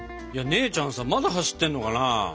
姉ちゃんさまだ走ってんのかな。